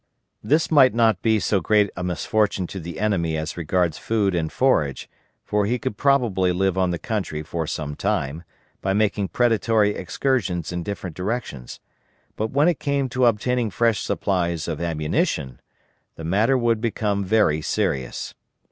This might not be so great a misfortune to the enemy as regards food and forage; for he could probably live on the country for some time, by making predatory excursions in different directions, but when it came to obtaining fresh supplies of ammunition, the matter would become very serious.